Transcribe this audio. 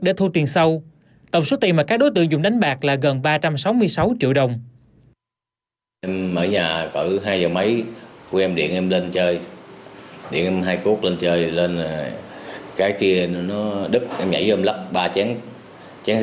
để thu tiền sâu tổng số tiền mà các đối tượng dùng đánh bạc là gần ba trăm sáu mươi sáu triệu đồng